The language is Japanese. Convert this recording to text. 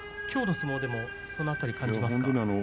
きょうの相撲もその辺り感じますか。